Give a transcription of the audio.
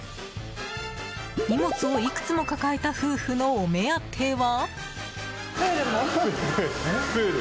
荷物をいくつも抱えた夫婦のお目当ては。